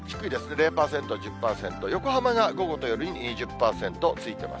０％、１０％、横浜が午後と夜に２０％ついてます。